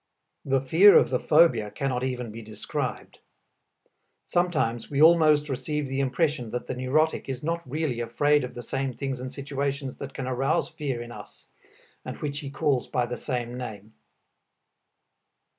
The fear of the phobia cannot even be described. Sometimes we almost receive the impression that the neurotic is not really afraid of the same things and situations that can arouse fear in us, and which he calls by the same name.